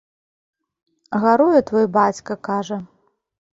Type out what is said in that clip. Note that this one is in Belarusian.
Гаруе твой бацька, кажа.